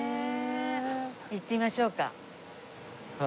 行ってみましょうか。